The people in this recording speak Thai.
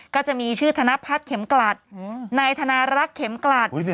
ก็จะมีชื่อธนพัฒน์เข็มกลัดนายธนารักษ์เข็มกลัด